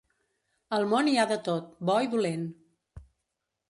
Al món hi ha de tot, bo i dolent.